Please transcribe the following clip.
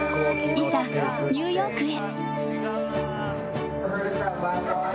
いざ、ニューヨークへ。